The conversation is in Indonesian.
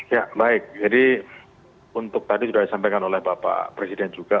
ya baik jadi untuk tadi sudah disampaikan oleh bapak presiden juga